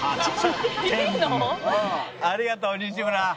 ありがとう西村。